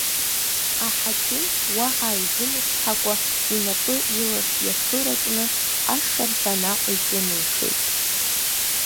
Аҳақьым уаҳа изымчҳакәа, инапы илахь иаԥыракны ашырҳәа наҟ иҿынеихеит.